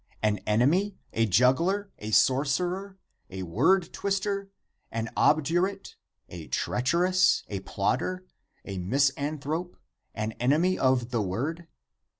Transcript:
an enemy? a juggler? a sorcer er? a word twister? an obdurate? a treacherous? a plotter? a misanthrope? an enemy of the word?